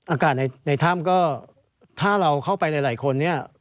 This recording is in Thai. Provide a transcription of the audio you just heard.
อากาศในถ้ำก็ถ้าเราเข้าไปหลายคนเนี่ย